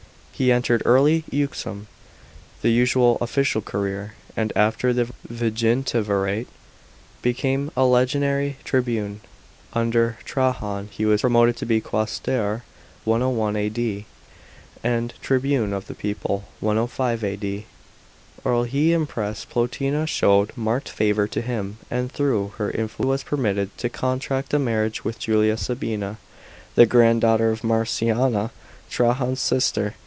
D.). He entered early ujxm the usual official career, and, after the viginti virate, became a legionary tribune. Under Trajan he was promoted to be quaestor (101 A.D.) and tribune of the people (105 A D.). rl he Empress Plotina showed marked favour to him, and through her influence he was permitted to con tract a marriage with Julia Sabina, the grand daughter of Marciana, Trajan's sister.